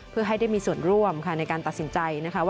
เพื่อให้มีส่วนร่วมในการตัดสินใจ